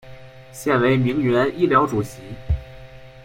现为铭源医疗主席。